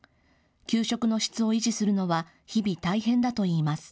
給食の質を維持するのは、日々、大変だといいます。